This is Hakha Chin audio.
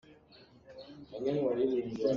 A samtom a ngan ngai.